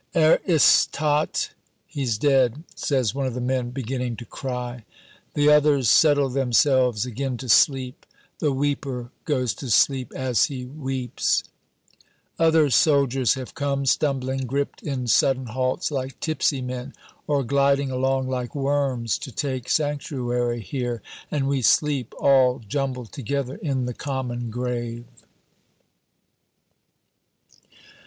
"Er ist todt!" (He's dead) says one of the men, beginning to cry. The others settle themselves again to sleep. The weeper goes to sleep as he weeps. Other soldiers have come, stumbling, gripped in sudden halts like tipsy men, or gliding along like worms, to take sanctuary here; and we sleep all jumbled together in the common grave.